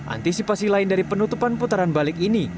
antisipasi lain dari penutupan putaran balik ini